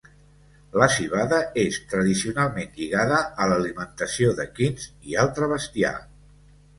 La civada és tradicionalment lligada a l'alimentació d'equins i altre bestiar.